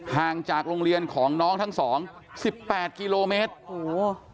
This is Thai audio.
ห่างจากโรงเรียนของน้องทั้งสองสิบแปดกิโลเมตรโอ้โห